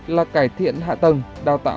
là cải thiện hạ tầng đào tạo